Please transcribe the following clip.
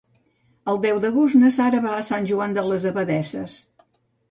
El deu d'agost na Sara va a Sant Joan de les Abadesses.